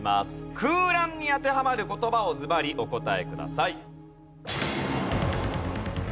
空欄に当てはまる言葉をずばりお答えください。